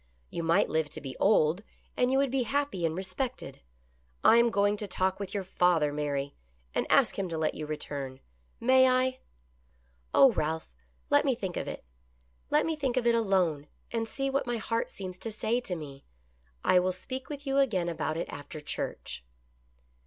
You might live to be old, and you would be happy and respected. I am going to talk with your father, Mary, and ask him to let you return. May I ?"" Oh, Ralph, let me think of it. Let me think of it THE pilgrims' EASTER LILY. IO9 alone, and see what my heart seems to say to me. I will speak with you again about it after church."